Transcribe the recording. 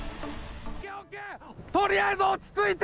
とりあえず落ち着いて。